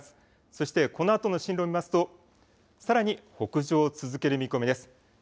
そしてこのあとの進路を見ますとさらに北上を続ける見込みです。